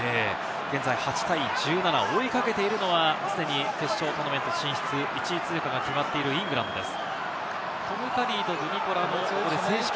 現在８対１７、追いかけているのは、既に決勝トーナメント進出、１位通過が決まっているイングランドです。